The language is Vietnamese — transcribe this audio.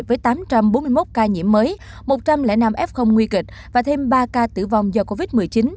với tám trăm bốn mươi một ca nhiễm mới một trăm linh năm f nguy kịch và thêm ba ca tử vong do covid một mươi chín